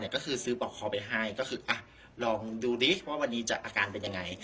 ก็คือซื้อบอกคอลไปให้ก็คือลองดูดิว่าวันนี้จะอาการเป็นยังไง